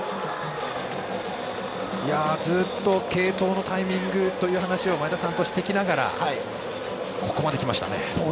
ずっと継投のタイミングという話前田さんとしてきながらここまできましたね。